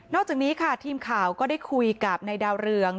อกจากนี้ค่ะทีมข่าวก็ได้คุยกับนายดาวเรือง